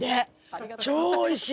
超おいしい！